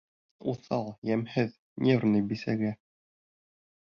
Уҫал, йәмһеҙ, нервный бисәгә.